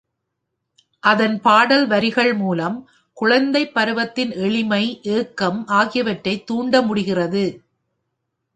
அதன் பாடல் வரிகள் மூலம் குழந்தைப் பருவத்தின் எளிமை, ஏக்கம் ஆகியவற்றை தூண்ட முடிகிறது.